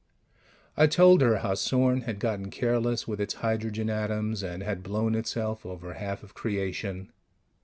I told her how Sorn had gotten careless with its hydrogen atoms and had blown itself over half of creation.